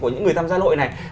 những người tham gia lội này